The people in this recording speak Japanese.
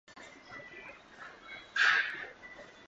数学の勉強は将来の役に立つ